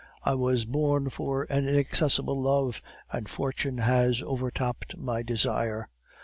I was born for an inaccessible love, and fortune has overtopped my desire.